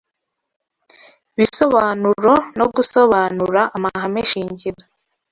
bisobanuro no gusobanura amahame shingiro